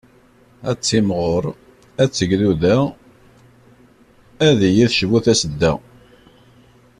Ad timɣur, ad tegduda, ad iyi-tecbu tasedda.